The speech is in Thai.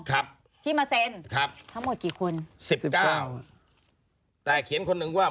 ครับที่มาเซ็นครับทั้งหมดกี่คนสิบเก้าแต่เขียนคนหนึ่งว่า